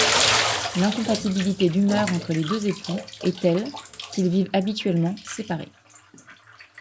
L'incompatibilité d'humeur entre les deux époux est telle qu'ils vivent habituellement séparés.